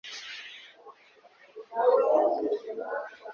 Rurakomeza ruti ibyo mbabwira ni ukuri mubyemere